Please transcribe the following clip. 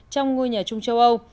trong ngôi nhà trung châu âu